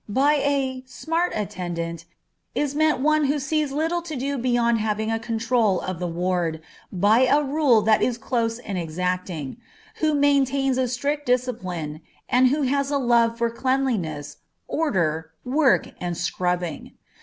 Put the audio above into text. _ By a "smart attendant" is meant one who sees little to do beyond having a control of the ward by a rule that is close and exacting, who maintains a strict discipline, and who has a love for cleanliness, order, work, and scrubbing.